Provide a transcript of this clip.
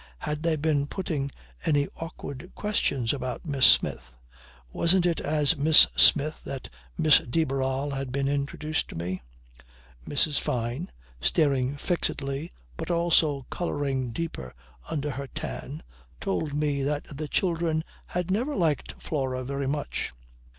Had they been putting any awkward questions about Miss Smith. Wasn't it as Miss Smith that Miss de Barral had been introduced to me? Mrs. Fyne, staring fixedly but also colouring deeper under her tan, told me that the children had never liked Flora very much.